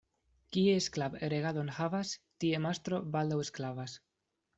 Kie sklav' regadon havas, tie mastro baldaŭ sklavas.